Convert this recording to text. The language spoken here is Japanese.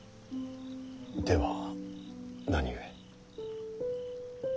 では何故。